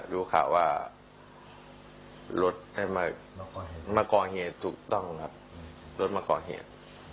รู้ข่าวว่ารถมาก็อเฮียยถูกต้องครับรถมาก็อเฮียย